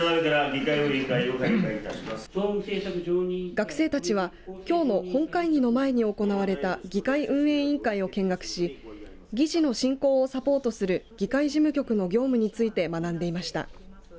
学生たちはきょうの本会議の前に行われた議会運営委員会を見学し議事の進行をサポートする議会事務局の業務について学んでいました。